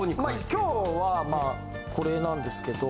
今日はこれなんですけど。